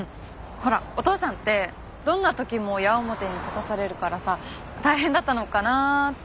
ほらお父さんってどんな時も矢面に立たされるからさ大変だったのかなって。